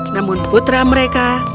namun putra mereka